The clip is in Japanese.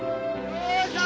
よいしょ！